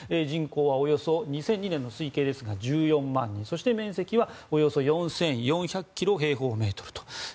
人口は２００２年の推計ですがおよそ１４万人そして面積はおよそ４４００平方キロメートル。